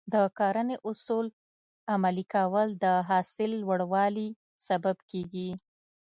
د کرنې اصول عملي کول د حاصل لوړوالي سبب کېږي.